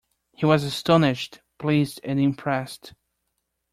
He was astonished, pleased and impressed.